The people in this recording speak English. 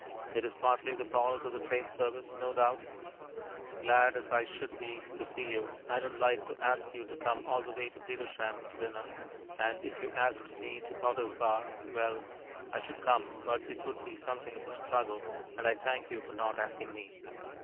It is partly the fault of the train service, no doubt. Glad as I should be to see you, I don't like to ask you to come all the way to Petersham to dinner, and if you asked me to Potters Bar well, I should come, but it would be something of a struggle, and I thank you for not asking me.